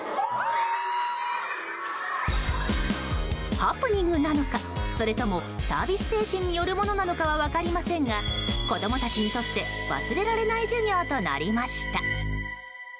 ハプニングなのか、それともサービス精神によるものなのかは分かりませんが子供たちにとって忘れられない授業となりました。